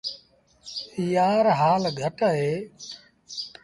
يآر هآل گھٽ اهي۔